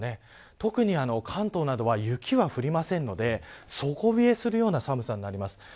特に関東などは雪は降りませんので底冷えするような寒さになります。